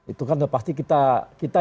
itu kan pasti kita